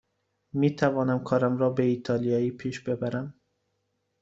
می تونم کارم را به ایتالیایی پیش ببرم.